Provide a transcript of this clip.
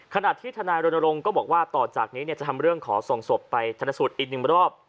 ขณะที่ทนายรณรงค์ก็บอกว่าต่อจากนี้จะทำเรื่องขอส่งศพไปชนสูตรอีกหนึ่งรอบ